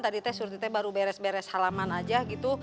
tadi teh surutnya baru beres beres halaman aja gitu